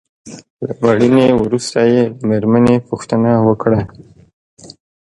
له مړینې وروسته يې له مېرمنې پوښتنه وکړه.